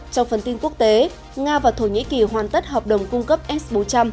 trong phần tin quốc tế nga và thổ nhĩ kỳ hoàn tất hợp đồng cung cấp s bốn trăm linh